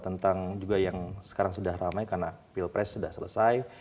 tentang juga yang sekarang sudah ramai karena pilpres sudah selesai